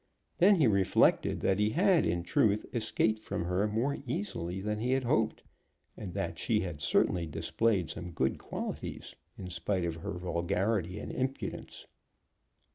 Then he reflected that he had, in truth, escaped from her more easily than he had hoped, and that she had certainly displayed some good qualities in spite of her vulgarity and impudence.